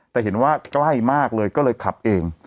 แต่เห็นว่าใกล้มากเลยก็เลยขับเอง